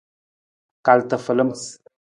Kal tafalam.